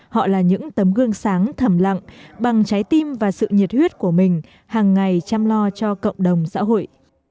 họ là những tấm gương sáng thầm lặng bằng trái tim và sự nhiệt huyết của mình hàng ngày chăm lo cho cộng đồng xã hội